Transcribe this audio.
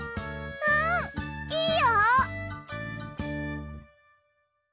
うんいいよ！